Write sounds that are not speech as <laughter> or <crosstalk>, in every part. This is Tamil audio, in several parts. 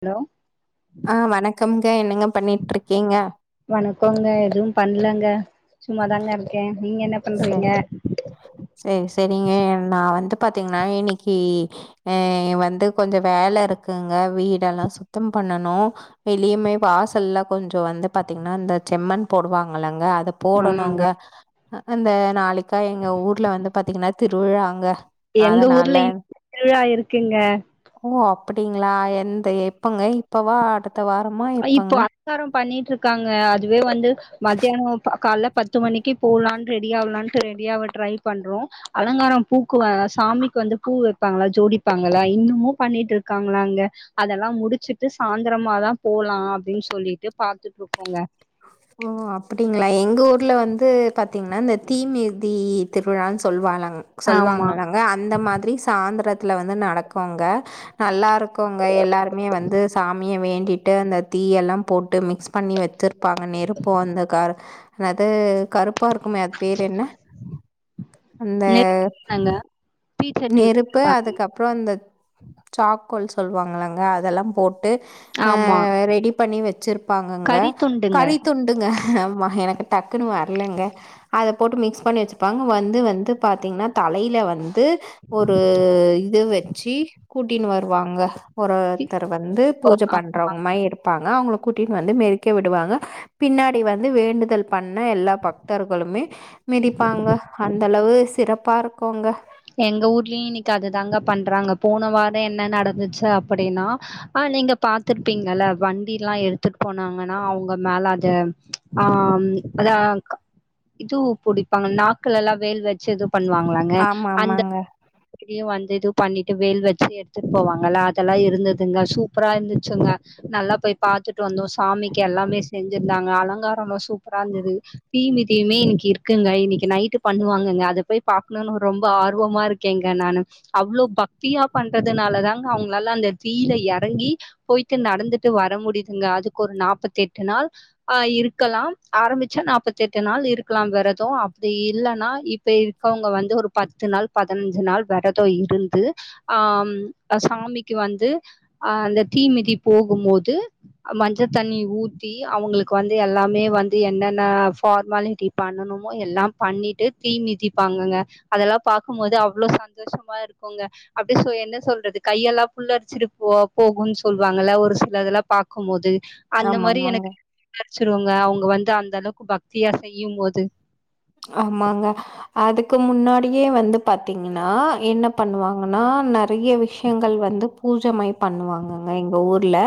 ஹலோ ஆஹ் வணக்கம்ங்க என்னங்க பண்ணிட்டு இருக்கீங்க க்கோங்க எதுவு பண்லங்க சும்மாதாங்க இருக்கே நீங்க என்ன பண்றீங்க சரிங்க நா வந்து பாத்தீங்கன்னா இன்னிக்கு வந்து கொஞ்ச வேல இருக்குங்க வீடெல்லா சுத்தம் பண்ணணு வெளியுமே வாசல்ல கொஞ்ச வந்து பாத்தீங்கன்னா இந்த செம்மன் போடுவாங்கலங்க அத் த ஆமாங்க போடணுங்க அ அந்த நாளைக்கா எங்க ஊர்ல வந்து பாத்தீங்கன்னா திருவிழாங்க எங்க அதனால ஊர்ல இ திருவிழா இருக்குங்க ப்டிங்கலா எந்த எப்பங்க இப்பவா அடு த்த வாரமா எப்பங்க பண்ணிட்டிருக் க்காங்க அதுவே வந்து மத்யானம் பா கால்ல பத்து மணிக்கு போலான் ரெடியாவ்லான்டு ரெடியாவ ட்ரை பண்றோ அலங்காரம் பூக்குவ சாமிக்கு வந்து பூ வைப்பாங்க ஜோடிப்பாங்கல்ல இன்னுமு பண்ணிட்ருக்காங்களாங்க அதெல்லா முடிச்சிட்டு சாந்திரமாதா போலா அப்டின் சொல்லிட்டு பாத்துட்ருக்கோங்க ஓ அப்படிங்களா எங்க ஊர்ல வந்து பாத்தீங்கன்னா இந்த தீமிதி திருவிழான் சொல்வாங்க ம் ஆமா சொல்வாங்கலங்க அந்த மாதிரி சாந்திரத் வீட்ல வந்து நடக்கொங்க நல்லா இருக்குங்க எல்லாருமே வந்து சாமிய வேண்டிட்டு அந்த தீயல்லாம் போட்டு மிக்ஸ் பண்ணி வச்சிருப்பாங் அ நெருப்போ அந்த க என்னது கருப்பா இருக்குமே அது பேரு என்ன அந்த நெ ங்க பீச்சட்டி நெருப்பு வச்சிருப்பாங்க. அதுக்கப்புறம் அந்தத் சாக்கோல் சொல்வாங்களங்க அதெல்லாம் போ டு ஆ ஆமா ரெடி பண்ணி வச்சிருப்பாங்கங்க கறி துண்டுங்க கரி துண்டுங்க ஆமாங்க டக்குன்னு வரலங்க அத போட்டு மிக்ஸ் பண்ணி வச்சுப்பாங்க வந்து வந்து பாத்திங்கன்னா தலைல வந்து ஒரு இது வச்சு கூட்டினு வருவாங்க ஒருத்தர் வந்து ஓ பூஜ ஆமா பண்றவங் மை இருப்பாங்க அவங் கூட்டின் வந்து மெரிக்க விடுவாங்க பின்னாடி வந்து வேண்டுதல் பண்ண எல்லா பக்தர்களுமே மிதிப்பாங்க அந்தளவு சிறப்பா இருக்குங்க எங்க ஊர்லயு இன்னைக்கு அதுதாங்க பண்றாங்க போன வாரம் என்ன நடந்துச்சு அப்படின்னா ஆஹ் நீங்க பாத்துருப்பீங்கல்ல வண்டில்லா எடுத்துட்டு போனாங்கன்னா அவங்க மேல அத ஆஹ் அத இது பிடிப்பாங்க நாக்ல எல்லா வேல் வச்சு பண்வாங்களங்க ஆமாமாங்க. அந்தஇ வந் இது பண்ணிட்டு வேல் வச்சு எடுத்துட்டு போவாங்கல்ல அதெல்லா இருந்துங்க சூப்பரா இருந்துச்சுங்க நல்லா போய் பாத்துட்டு வந்தோ சாமிக்கு எல்லாமே செஞ்சிருந்தாங்க அலங்கார எல்லா சூப்பரா இருந்தது தீமிதியுமே இன்னைக்கு இருக்குங்க இன்னைக்கு நைட்டு் பண்ணுவாங்கங்க அத போய் பாக்கணும்னு ரொம்ப ஆர்வமா இருக்கேங்க நானு அவ்ளோ பக்தியா பண்றதுனால தாங்க அவங்களால அந்த தீல எறங்கி போயிட்டு நடந்துட்டு வர முடியுதுங்க அதுக்கு ஒரு நாப்பத்தெட்டு நாள் ஆஹ் இருக்கலா ஆரம்பிச்சா நாப்பத்தெட்டு நாள் இருக்கலா விறத அப்டி இல்லன்னா இப்ப இருக்கவங்க வந்து ஒரு பத்து நாள் பதினஞ்சு நாள் வெரத இருந்து ஆஹ் சாமிக்கு வந்து அஹ் அந்த தீமிதி போகும்போது மஞ்ச தண்ணி ஊத்தி அவங்களுக்கு வந்து எல்லாமே வந்து என்னென்ன ஃபார்மாலிட்டி பண்ணணுமோ எல்லா பண்ணிட்டு தீ மிதிப்பாங்கங்க அதெல்லா பாக்கு போது அவ்வளோ சந்தோஷமா இருக்குங்க அப்டியே என்ன சொல்றது கையெல்லா புள்ளரிச்சிட்டு போ போகும்ன்னு சொல்லுவாங்க ஒரு சிலதுெல்லாம் பாக்கும் போது அந்த மாரி ஆமாமாங்க, எனக்கு வச்சிருவங்க அவங்க வந்து அந்த அளவுக்கு பக்தியா செய்யு போது ஆமாங்க அதுக்கு முன்னாடியே வந்து பாத்தீங்கன்னா என்ன பண்ணுவாங்கன்னா நெறைய விஷயங்கள் வந்து பூஜை மாரி பண்ணுவாங்கங்க எங்க ஊர்ல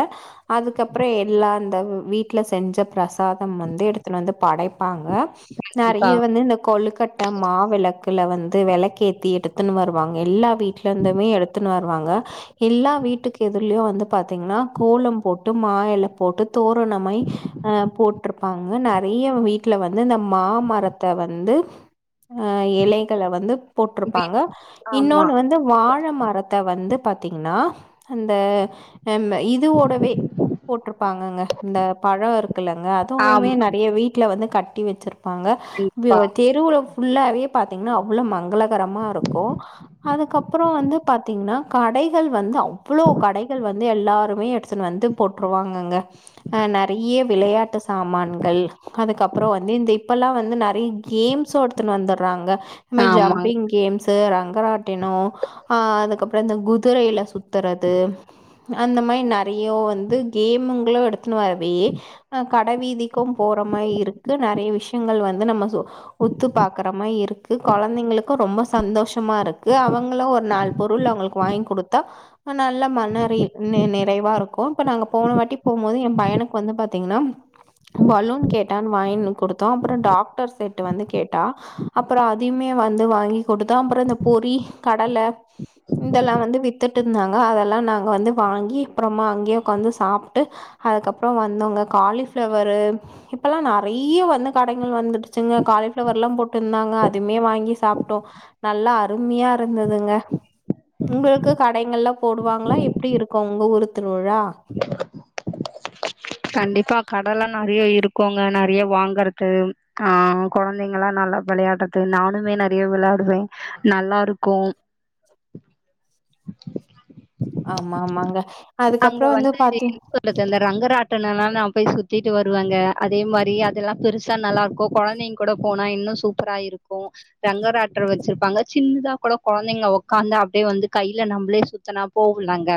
அதுக்கப்பற எல்லா அந்த வீட்டுல செஞ்ச பிரசாதம் வந்து எடுத்துட்டு வந்து படைப்பாங்க ஆ நாட் கண்டிப்பா நெறைய வந்து இந்த கொழுக்கட்ட மா விளக்கு வந்து வெலக்கேத்தி எடுத்துன்னு வருவாங்க எல்லா வீட்டுல இருந்துமே எடுத்துன்ன வருவாங்க எல்லா வீட்டுக்கு எதிர்லையு வந்து பாத்தீங்கன்னா கோலம் போட்டு மாஏல போட்டு தோரணமாரி அஹ் போட்டிருப்பாங்க நறைய வீட்டுல வந்து இந்த மாமரத் த்த வந்து ஆஹ் இலைகளை வந்து வீ- போட்டிருப்பாங்க ஆமா இன்னொன்னு வந்து வாழ மரத்தை வந்து பாத்தீங்கன்னா அந்த அம் இதுவோடவே போட்டிருப்பாங்கங்க இந்த பழம் இருக்குல்லங்க அதோடவே ஆமா நெறைய வீட்டல வந்து கட்டி வச்சிருப்பாங்க கண்டிப்பா விவோ தெருளோ புல்லாவே பாத்தீங்கன்னா அவ்ளோ மங்களகரமா இருக்கு அதுக்கப்பற வந்து பாத்தீங்கன்னா கடைகள் வந்து அவ்வளோ கடைகள் வந்து எல்லாருமே எடுத்துட்டு வந்து போட்டுருவாங்கங்க அ நெறையா விளையாட்டு சாமான்கள் அதுக்கப்பறோ வந்து இந்த இப்போல வந்து யே கேம்ஸ் எடுத்துன்னு வந்துடுறாங்க அ ஆமாங்க ஜம்ப்பிங் கேம் சேய்ராங்க மகராட்டினம் அஹ் அதுக்கப்பற இந்த குதிரையில சுத்துறது அந்த மாரி நெறைய வந்து கேமுங்களு எடுத்துன்னு வரவே அ கடைவீதிக்கு போற மாரி இருக்கு நெறைய விஷயங்கள் வந்து நம்ம உத்து பாக்கறமாரி இருக்கு கொழந்தைங்களுக்கு ரொம்ப சந்தோஷமா இருக்கு அவங்களு ஒரு நாலு பொருள் அவங்களுக்கு வாங்கி கொடுத்தா நல்ல மன நி நிறைவா இருக்கு இப்ப நாங்க போன வாட்டி போபோது ஏ பையனுக்கு வந்து பாத்தீங்கன்னா பலூன் கேட்டான்னு வாங்கு கொடுத்தோ அப்பற டாக்டர் சேட்டு வந்து கேட்டா அப்றோ அததுமே வந்து வாங்கி குடுத்தோ அப்ற இந்த பொரி கடலை இதெல்லா வந்து வித்துட்டு இருந்தாங்க அதெல்லா நாங்க வந்து வாங்கி அப்றமா அங்கேயே உக்காந்து சாப்ட்டு அதுக்கப்பற வந்தோங்க காலிஃப்ளவரு இப்பல்லா நறைய வந்து கடைகள் வந்துட்டு ச்சுங்க காலிஃப்ளவர்லா போட்ருந்தாங்க அதுமே வாங்கி சாப்பிட்டோ நல்லா அருமையா இருந்ததுங்க உங்களுக்கு கடைகள்லா போடுவாங்களா எப்படி இருக்கு உங்க ஊரு திருவிழா கண்டிப்பா கடைலா நறையா இருக்குங்க நறயா வாங்கறது ஆஹ் கொழந்தைங்கலா நல்லா வெளயாடுறது நானுமே நெறைய வெளயாடுவே நல்லாருக்கு ஆமா ஆமாங்க அதுக்கப்றோ வந்து பாத்தி ட்டனனா நா போய் சுத்திட்டு வருவாங்க அதே மாரி அதெல்லா பெருசா நல்லா இருக்கு கொழந்தைங்க கூட போனா இன்னு சூப்பராருக்கு ரங்கராட்டர் வச்சிருப்பாங்க சின்னதா கூட கொழந்தைங்க உக்காந்து அப்டியே வந்து கையில நம்மளே சுத்தனா போகுலாங்க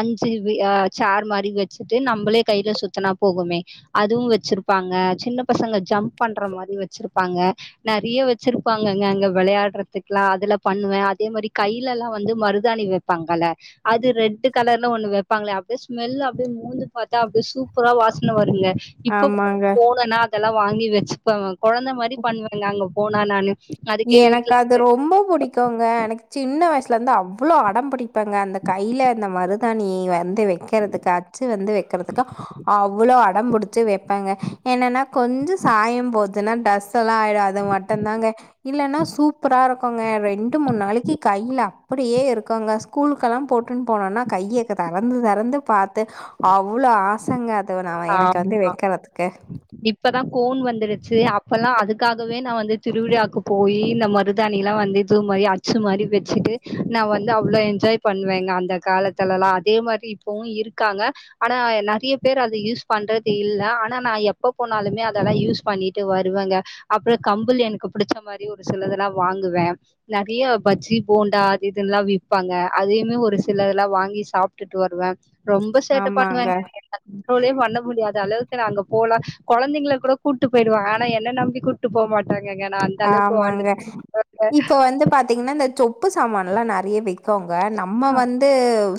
அஞ்சு வி ஆஹ் சார் மாரி வச்சுட்டு நம்மளே கையில சுத்தனா போகுமே அதுவு வச்சிருப்பாங்க சின்ன பசங்க ஜம்ப் பண்ற மாரி வச்சிருப்பாங்க நெறைய வச்சிருப்பாங்கங்க அங்க விளையாடுறதுக்குல்லா அதுல பண்ணுவே அதே மாரி கையில எல்லா வந்து மருதாணி வைப்பாங்கல அது ரெட்டு் கலர்ல ஒண்ணு வைப்பாங்களே அப்டியே ஸ்மெல் அப்டியே மூந்து பாத் ச்சா அப்டியே சூப்பரா வாசனை வருங்க இப்ப கூட ஆமாங்க. போனோனா அதெல்லா வாங்கி வச்சுப்ப கொழந்தை மாரி பண்ணுவாங்காங்க போனா நானு அதுக்கே எனக்கு வீட்ல அது ரொம்ப புடிக்குங்க எனக்கு சின்ன வயசுல லருந்து அவ்ளோ அடம்பிடி ப்பங்க அந்த கையில அந்த மருத் தாணி வந்து வெக் வெக்கறதுக்கு அச்சு வந்து வெக்கறதுக்கு அவ்ளோ அடம் புடிச்சு வெப்பங்க என்னன்னா கொஞ்ச சாயம் போதுன்னா டிரஸ்ஸெல்லா ஆயிடு அது மட்டு தாங்க இல்லன்னா சூப்பராருக்கு ங்க ரெண்டு மூணு நாளைக்கு கையில அப்டியே இருக்குங்க ஸ்கூலுக்கெல்லா போட் டுன்னு போனோன்னா கைய <unintelligible> தெறந்து தெறந்து பாத்து அவ்ளோ ஆசங்க ஆமா இப்பதா கோ வந்துருச்சு அப்பல்லா அது காகவே நா வந்து திருவிழாக்கு போயி இந்த மருதாணிலா வந்து இது மாரி அச்சு மாரி வச்சுட்டு நா வந்து அவ்ளோ என்ஜாய் பண்ணுவேங்க அந்த காலத்துலலா அதே மாரி இப்பவு இருக்காங்க ஆனா நெறைய பேர் இத யூஸ் பண்றது இல்ல ஆனா நா எப்ப போனாலுமே அதெல்லா யூஸ் பண்ணிட்டு வருவேங்க அப்பற கம்பல் எனக்கு பிடிச்ச மாரி ஒரு சிலதெல்லா வாங்குவே நெறையா பஜ்ஜி போண்டா அது இதெல்லா விப்பாங்க அதையுமே ஒரு சிலதெல்லா வாங்கி சாப்ட்டுட்டு வருவே ரொம்ப சேட்ட ஆமாங்க, பண்ணுவேங்க <unintelligible> கண்ட்ரோலே பண்ண முடியாத அளவுக்கு <unintelligible> அங்க போலா கொழந்தைங்கள கூட கூட்டு போயிடுவாங்க ஆனா என்ன நம்பி கூட்டு போக மாட்டாங்க ஆமாங்க இப்ப வந்து பாத்தீங்கன்னா இந்த சொப் சொப்பு சாமான்லா நெறைய வைக் கோங்க நம்ம வந்து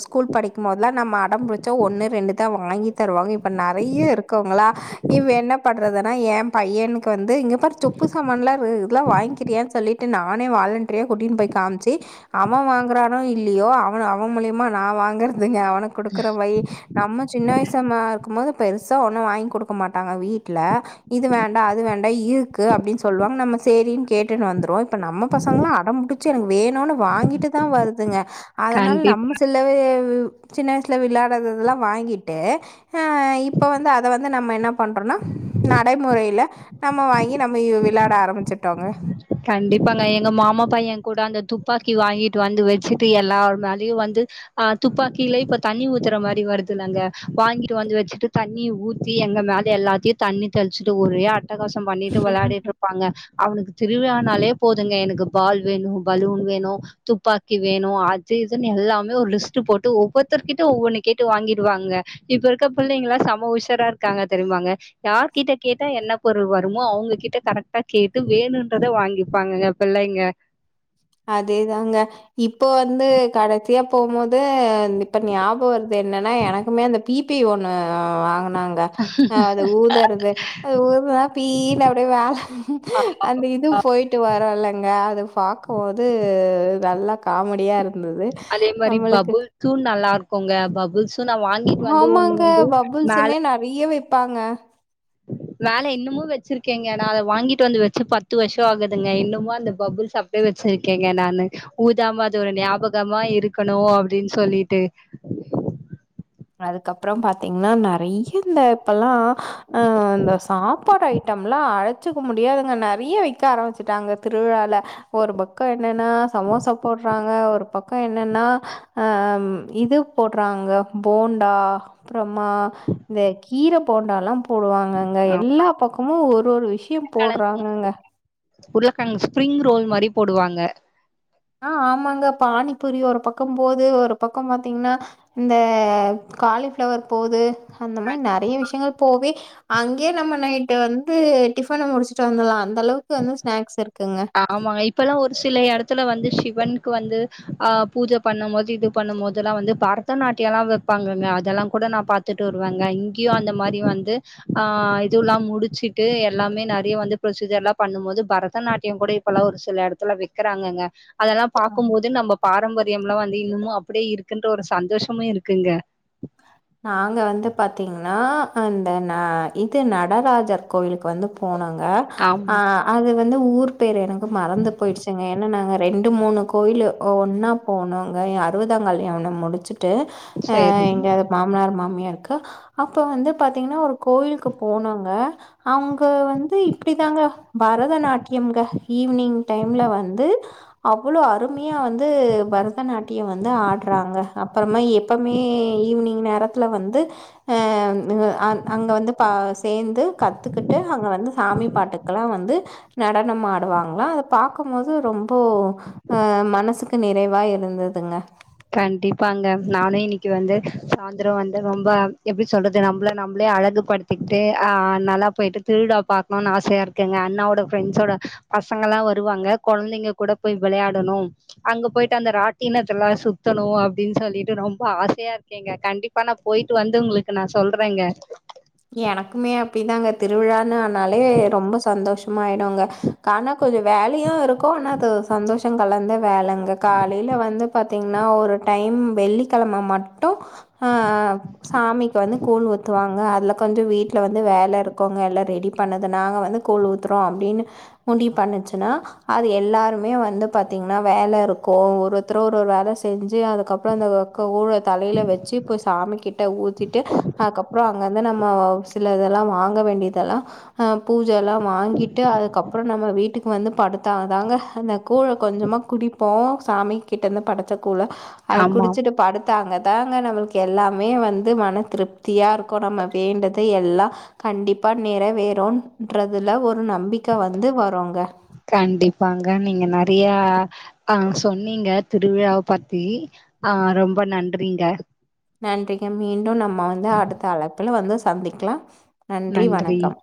ஸ்கூல் படிக்கும்போதெல்லா நம்ம அடம்புடிச்சா ஒன்னு ரெண்டு தா வாங்கி தருவாங்க இப்ப நெறைய இருக்குங்களா இப்ப என்ன பண்றதுன்னா ஏம் பையனுக்கு வந்து இங்க பாரு சொப்பு சமான்லா இதெல்லா வாங்கிக்கிறியான்னு சொல்லிட்டு நானே வாலன்ட்றியா கூட்டின்னு போய் காமிச்சு அவன் வாங்குறானோ இல்லையோ அவ அவ மூலியமா நான் வாங்கற துங்க அவனுக்கு குடுக்கற வை நம்ம சின்ன வயசுமா ஆ இருக்கும் போது பெருசா ஒன்னு வாங்கி குடுக்க மாட்டாங்க வீட்ல இது வேண்டா அது வேண்டா இருக்கு அப்டின்னு சொல்லுவா நம்ம சேரின்னு கேட்டுன்னு வந்துருவோ இப்ப நம்ம பசங்களா அடம்புடிச்சு எனக்கு வேணுன்னு வாங்கிட்டு தா வருதுங்க அதனால கண்டிப் நம்ம சில வே சின்ன வயசுல விளையாடததெல்லா வாங்கிட்டு ஆ இப்ப வந்து அத வந்து நம்ம என்ன பண்றோன்னா நடைமுறையில நம்ம வாங்கி நம்ம விளாட் ஆரம்பிச்சிட்டு கண்டிப்பாங்க எங்க மாமா பைய கூட அந்த துப் துப்பாக்கி வாங்கிட்டு வந்து வச்சுட்டு எல்லார் மேலயு வந்து ஆ துப்பாக்கியில இப்ப தண்ணி ஊத்துற மாரி வருதுலங்க வாங்கிட்டு வந்து வச்சுட்டு தண்ணிய ஊத்தி எங்க மேல எல்லாத்தையு தண்ணி தெளிச்சிட்டு ஒரே அட் அட்டகாசம் பண்ணிட்டு விளாடிட்டு இருப்பாங்க அவனுக்கு னாலேபோதுங்க எனக்கு பால் வேணு பலூன் வேணு துப்பாக்கி வேணு அது இதுன்னு எல்லாமே ஒரு லிஸ்ட்டு போட்டு ஒவ்வொத்தருக்கிட்ட ஒவ்வொன்னு கேட்டு வாங்கிடுவாங்க இப்ப இருக்க புள்ளங்கெல்லா செம உஷார இருக்காங்க தெரியுமாங்க யார்கிட்ட கேட்டா என்ன பொருள் வருமோ அவங்க கிட்ட கரெக்டா கேட்டு வேணுன் கிறத வாங்கிப்பாங்கங்க பிள்ளைங்க அதேதாங்க இப்போ வந்து கடைசியா போம்போது து இப்ப ஞாபக வருது என்னென்னா எனக்குமே அந்த பீப் தி ஒன்னு வாங்கனாங்க அ அது ஊதறது அது ஊதுனா பீனு அப்டே மேல அந்த இது போயிட்டு வரு இல்லங்க அது பாக் து நல்லா காமெடியா இருந் அதே மாரி பபுல்ஸு நல்லார் குங்க பபுல்ஸ் ஆமாங்க மேல பபுள்ஸுமே நறைய வெ ப்பாங்க மேல இன்னுமு வெச்சிருக்கேங்க நா அத வாங்கிட்டு வந்து வெச்சு பத்து வர்ஷொ ஆகுதுங்க இன்னுமு அந்த பபுள்ஸ் அப்டே வெச்சிருக்கேங்க நானு ஊதாம அது ஒரு ஞாபகமா இருக்கணு அப்டின் சொல்லிட்டு அதுக்கப்புறம் பாத்தீங்னா நறைய இந்த இப்பெல்லா அஹ் இந்த சாப் பாடு ஐட்டம்லா அழச்சிக்க முடியாதுங்க நறிய விக்க ஆரமிச்சிட்டாங்க திருவிழால ஒரு பக்கொ என்னெனா சமோசா போட்றாங்க ஒரு பக்கொ என்னென்னா அ ம் இது போட்றாங்க போண்டா அப்பறமா இந்த கீர போண்டால்லா போடுவாங்கங்க ஆ எல்லா பக்கமு ஒரு ஒரு விஷியம் உருளக்கெழங்கு போட்றாங்கங்க உருளக்கெழங்கு ஸ்ப்ரிங் ரோல் மாரி போடுவாங்க ஆஹ் ஆமாங்க பானிபூரி ஒரு பக்கம்போது ஒரு பக்கோ பாத்தீங்னா இந்த காலிஃபிளவர் போது அந்த மா நறைய விஷயங்கள் போவே அங்கியே நம்ம நைட்டு வந்து டிஃபன முடிஷ்டு வந்துல்லா அந் தளவுக்கு வந்து ஸ்னாக்ஸ் இரு ஆமா இப்ப எல்லா ஒரு சில எடத்துல வந்து ஷி வன்க்கு வந்து அ பூஜ பண்ணும் மோது இது பண்ணும் மோதெல்லா வந்து பரதநாட்டியல்லா வெப்பாங்கங்க அதெல்லாங் கூட நா பாத்துட்டு வருவங்க இங்கியு அந்த மாரி வந்து ஆ இதுவ்லா முடிச்சிட்டு எல்லாமே நறிய வந்து ப்ரொசீஜர்லா பண்ணும் போது பரதநாட் டியோங் கூட இப்பல்லா ஒரு சில எடத்துல வெக்கிறாங்கங்க அதல்லா ஆ பாக்கும்போது நம்ப பாரம்பரி ட்டியம்லா வந்து இன்னுமு அப்டே இருக்குன்ற ஒரு சந்தோஷமு இருக்குங்க நாங்க வந்து பாத்தீங்னா அந்த ந இது நடராஜர் கோயிலுக்கு வந்து போனாங் க அ ஆமா. அது வந் து ஊர் பேர் எனக்கு மறந்து போயிடுச்சுங்க ஏன்னா நாங்க ரெண்டு மூணு கோயிலு ஒன்னா போனோங்க அறுவதாங்கல்யாணோ முடிச்சி ட்டு அ சரி. எ மாமனார் மாமியார்க்கு அப்ப வந்து பாத்தீங்கனா ஒரு கோயிலுக்கு போனாங்க அவுங்க வந்து இப்டிதாங்க பரதநாட் யம்ங்க ஈவ்னிங் டைம்ல வந்து அவ்வுளோ அருமையா வந்து பரதநாட் ட்டிய வந்து ஆட்றாங்க அப்பறமா எப்பமே னி நேரத்துல வந்து அ ன் அந் அங்க வந்து பா சேந்து கத்துக்குட்டு அங்க வந்து சாமி பாட்டுக்கல்லா வந்து நடனம் ஆடுவாங்ளா அத பாக்கும்போது ரொம்போ அ மனசுக்கு நிறைவா இருந்துதுங்க கண்டிப்பாங்க நானு இன்னிக்கு வந்து சாந்தரோ வந்து ரொம்ப எப்டி சொல்றது நம்பள நம்பளே அழகு படுத்திக்கிட்டு அ நல்லா போயிட்டு திருவிழா பாக்கணுன் ஆசையா இருக்குங்க அண்ணாவோட ஃப்ரெண்ட்ஸோட பசங்கல்லா வருவாங்க கொழந்தைங்க கூட போய் விளையாடணும் அங்க போயிட்டு அந்த ராட்டினத்தெல்லா சுத் தணு அப்டின் சொல்லிட்டு ரொம்ப ஆசையாருக்கேங்க கண்டிப்பா நா போயிட்டு வந்து உங்ளுக்கு நா சொல்றேங்க எனக்குமே அப்டிதாங்க திருவிழான்னு ஆனாலே ரொம்ப சந்தோஷமாயிடுங்க கானா கொஞ்ச வேலையு இருக்கு ஆனா அது சந்தோஷ எங்க கால்லருந்து வேலங்க காலைல வந்து பாத்தீங்னா ஒரு டைம் வெள்ளிக்கெழம மட் டூ ஆ சாமிக்கு வந்து கூழ் ஊத்துவாங்க அதுல வீட்ல வந்து வேல இருக்குங்க எல்லா ரெடி பண்ணதனால வந்து கூழ் ஊத்றோ அப்டினு முடிவ் பண்ணுச்சுனா அது எல்லாருமே வந்து பாத்தீங்னா வேலருக்கு ஒருத்தரோ ஒரு ஒரு வேல செஞ்சி அதுக்கப்றோ அந்த வொக்க ஒல தலையில வச்சி இப்ப சாமிக் ட்ட ஊத்திட்டு அதுக்கப்பறம் அங்க இருந்து நம்ம மாவு சில இதெல்லா வாங்க வேண்டியதெல்லா பூஜ எல்லா வாங்கிட்டு அதுக்கப்புற நம்ம வீட்டுக்கு வந்து படுத் தா தாங்க அந்த கூழ கொஞ்சமா குடிப்போ சாமி கிட்ட இருந்து படச்ச குல் ல அது ஆமா குடிச்சிட்டு படுத் தாங்க தாங்க நம்மளுக்கு எல்லாமே வந்து மன திருப்தியா இருக்கு நம்ம வேண்டது எல்லா கண்டிப்பா நிற வேறுன்றதுல ஒரு நம்பிக்க வந்து வருங்க கண்டிப்பாங்க நீங்க நறைய ஆ சொன்னீங்க திருவிழாவ பத்தி ஆ ரொம்ப நன்றிங்க நன்றி க மீண்டும் நம் நா வந்து அடுத்த அழைப்பில்ல வந்து சந்திக்கலா நன்றி வணக்கம்